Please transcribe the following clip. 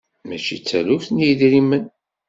Mačči d taluft n yidrimen.